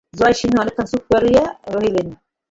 জয়সিংহ অনেক ক্ষণ চুপ করিয়া রহিলেন।